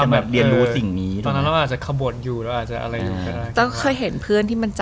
ไม่รอบพี่ว่าตอนนั้นพี่โง่